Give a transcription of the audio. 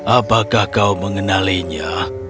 apakah kau mengenalinya